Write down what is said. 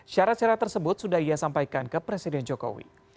syarat syarat tersebut sudah ia sampaikan ke presiden jokowi